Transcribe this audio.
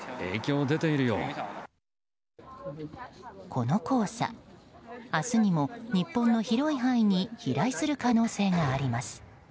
この黄砂明日にも日本の広い範囲に飛来する可能性があります。